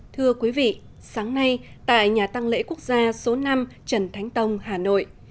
thưa quý vị sáng nay tại nhà tăng lễ quốc gia số năm trần thánh tông hà nội